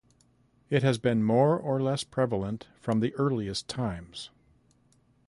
It has been more or less prevalent from the earliest times.